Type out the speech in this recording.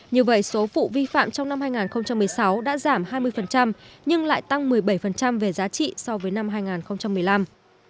như vậy số vụ vi phạm trong năm hai nghìn một mươi sáu đã giảm hai mươi nhưng lại tăng một mươi bảy về giá trị so với năm hai nghìn một mươi năm